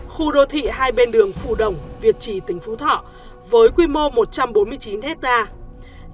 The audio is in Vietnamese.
khu đô thị hai bên đường phù đồng việt trì tỉnh phú thọ với quy mô một trăm bốn mươi chín hectare